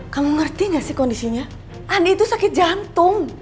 kamu ngerti gak sih kondisinya andi itu sakit jantung